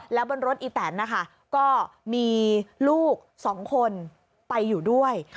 แล้วบนรถอีแตนนะคะก็มีลูก๒คนไปอยู่ด้วย